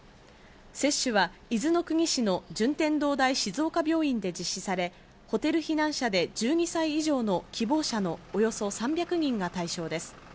接種は伊豆の国市の順天堂大静岡病院で実施され、ホテル避難者で１２歳以上の希望者のおよそ３００人が対象です。